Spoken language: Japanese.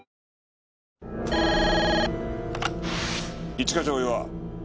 一課長大岩。